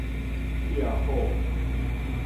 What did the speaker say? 壁虎